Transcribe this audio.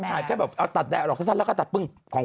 เขาถ่ายแค่แบบตัดแดดออกสั้นแล้วก็ตัดปึ้ง